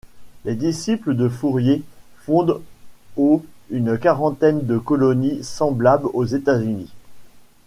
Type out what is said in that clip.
Les disciples de Fourier fondent au une quarantaine de colonies semblables aux États-Unis.